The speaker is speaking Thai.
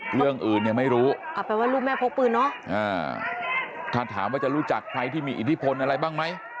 เรื่องอื่นเนี่ยไม่รู้เอาเป็นว่าลูกแม่พกปืนเนาะถ้าถามว่าจะรู้จักใครที่มีอิทธิพลอะไรบ้างไหม